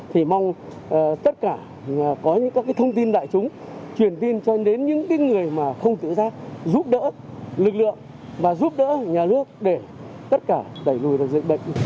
thì mong tất cả có những các thông tin đại chúng truyền tin cho đến những người mà không tự giác giúp đỡ lực lượng và giúp đỡ nhà nước để tất cả đẩy lùi được dịch bệnh